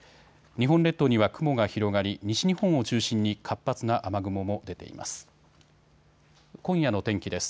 日本列島には雲が広がり西日本を中心に活発な雨雲も出ています。